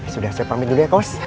sudah saya pamit dulu ya cost